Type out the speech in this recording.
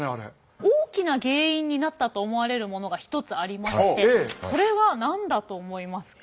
大きな原因になったと思われるものが１つありましてそれは何だと思いますか？